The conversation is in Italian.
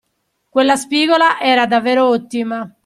Quella spigola era davvero ottima.